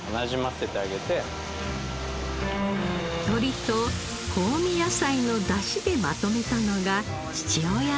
鶏と香味野菜の出汁でまとめたのが父親のソース。